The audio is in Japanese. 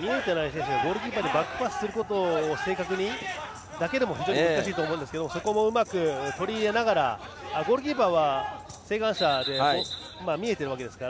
見えてない選手がゴールキーパーに正確にバックパスすることだけでも非常に難しいと思うんですけどもそこもうまく取り入れながらゴールキーパーは晴眼者で見えているわけですから。